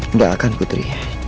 enggak akan putri